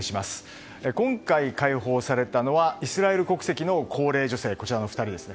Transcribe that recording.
今回解放されたのはイスラエル国籍の高齢女性２人です。